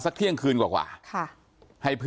เที่ยงคืนกว่า